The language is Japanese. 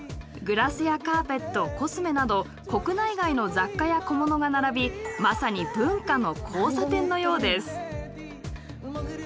グラスやカーペットコスメなど国内外の雑貨や小物が並びまさに文化の交差点のようです。